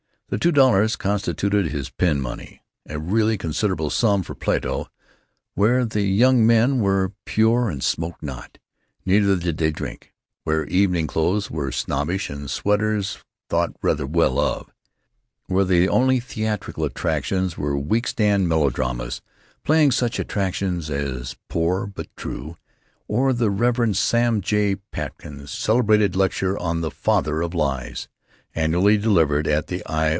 The two dollars constituted his pin money—a really considerable sum for Plato, where the young men were pure and smoked not, neither did they drink; where evening clothes were snobbish and sweaters thought rather well of; where the only theatrical attractions were week stand melodramas playing such attractions as "Poor but True," or the Rev. Sam J. Pitkins's celebrated lecture on "The Father of Lies," annually delivered at the I.